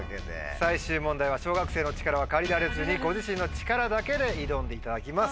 最終問題は小学生の力は借りられずにご自身の力だけで挑んでいただきます。